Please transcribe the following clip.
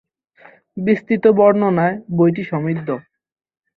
বিস্তৃত বর্ণনায় বইটি সমৃদ্ধ।